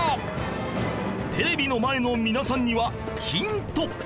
テレビの前の皆さんにはヒント